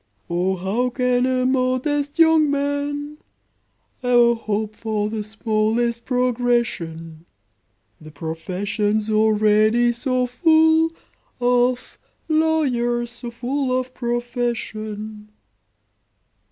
"O, how can a modest young man E'er hope for the smallest progression,— The profession's already so full Of lawyers so full of profession!"